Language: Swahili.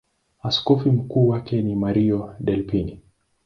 Askofu mkuu wake ni Mario Delpini.